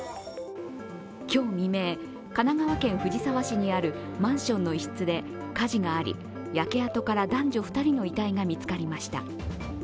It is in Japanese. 今日未明、神奈川県藤沢市にあるマンションの一室で火事があり、焼け跡から男女２人の遺体が見つかりました。